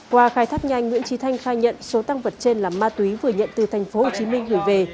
qua khai thác nhanh nguyễn trí thanh khai nhận số tăng vật trên là ma túy vừa nhận từ tp hcm gửi về